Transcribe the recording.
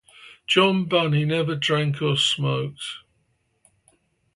John Bunny never drank or smoked.